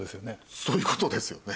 そういうことですよね。